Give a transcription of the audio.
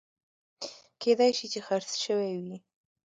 کېدای شي چې خرڅ شوي وي